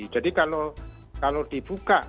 jadi kalau dibuka